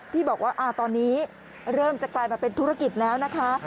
พี่บอกว่าตอนนี้เริ่มจะกลายมาเป็นธุรกิจแล้วนะคะ